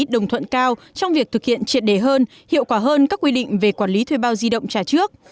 đồng thuận cao trong việc thực hiện triệt đề hơn hiệu quả hơn các quy định về quản lý thuê bao di động trả trước